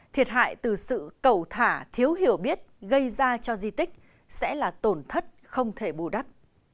thiệt hại từ sự cẩu thả thiếu hiểu biết gây ra cho di tích sẽ là tổn thất không thể bù đắp